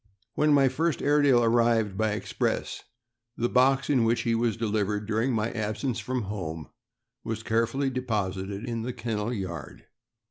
When my first Airedale arrived by express, the box in which he was delivered, during my absence from home, was carefully deposited in the kennel yard.